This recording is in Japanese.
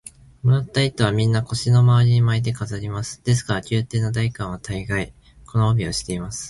もらった糸は、みんな腰のまわりに巻いて飾ります。ですから、宮廷の大官は大がい、この帯をしています。